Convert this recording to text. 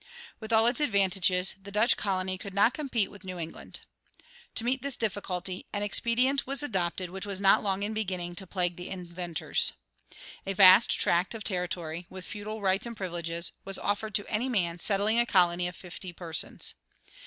With all its advantages, the Dutch colony could not compete with New England.[70:1] To meet this difficulty an expedient was adopted which was not long in beginning to plague the inventors. A vast tract of territory, with feudal rights and privileges, was offered to any man settling a colony of fifty persons.